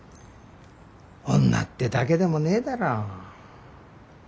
女ってだけでもねえだろう。